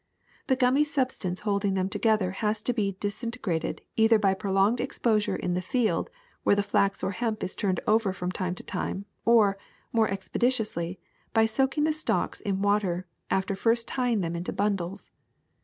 The gummy substance holding them together has to be disintegrated either by prolonged exposure in the field, where the flax or hemp is turned over from time to time, or, more expeditiously, by soaking the stalks in Waaler, after first tying them into bundles.